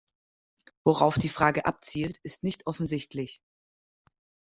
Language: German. Worauf die Frage abzielt, ist nicht offensichtlich.